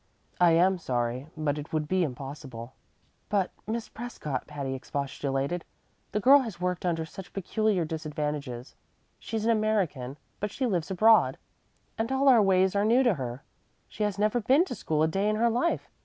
I am sorry, but it would be impossible." "But, Miss Prescott," Patty expostulated, "the girl has worked under such peculiar disadvantages. She's an American, but she lives abroad, and all our ways are new to her. She has never been to school a day in her life.